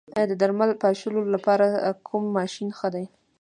د درمل پاشلو لپاره کوم ماشین ښه دی؟